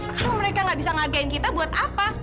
kalau mereka gak bisa ngagain kita buat apa